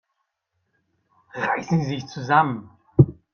Reißen Sie sich zusammen!